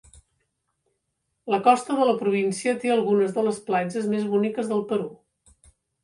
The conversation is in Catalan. La costa de la província té algunes de les platges més boniques del Perú.